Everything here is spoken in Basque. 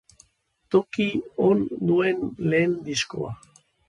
Toki on dute lehen diskoa.